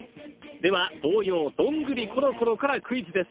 では童謡『どんぐりころころ』からクイズです